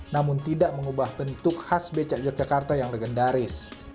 namun tidak mengubah bentuk khas becak yogyakarta yang legendaris